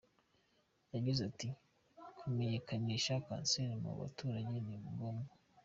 Yagize ati “Kumenyekanisha kanseri mu baturage ni ngombwa.